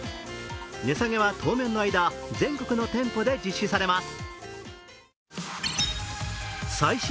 値下げは当面の間、全国の店舗で実施されます。